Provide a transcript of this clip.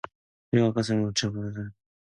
그리고 그의 앞가슴을 움켜쥐고 문밖으로 내몰았다.